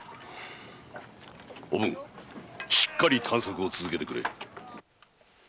おぶんしっかり探索を続けてくれ。